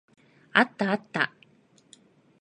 あったあった。